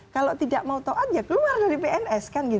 kalau tidak mau taat ya keluar dari pns